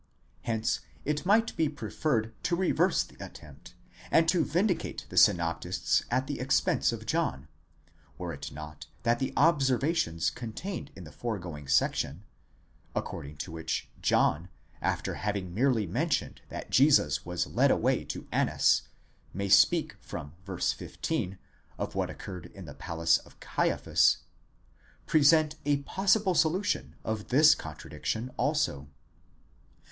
Hence it might be preferred to reverse the attempt, and to vindicate the synoptists at the expense of John: were it not that the observa tions contained in the foregoing section (according to which John, after having merely mentioned that Jesus was led away to Annas, may speak from vy. 15 of what occurred in the palace of Caiaphas), present a possible solution of this contradiction also.